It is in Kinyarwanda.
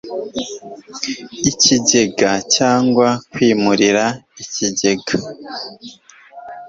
ikigega cyangwa kwimurira ikigega